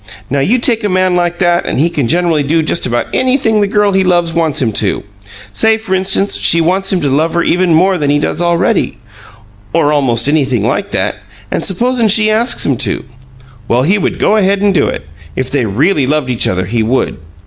Now, you take a man like that and he can generally do just about anything the girl he loves wants him to. Say, f'rinstance, she wants him to love her even more than he does already or almost anything like that and supposin' she asks him to. Well, he would go ahead and do it. If they really loved each other he would!"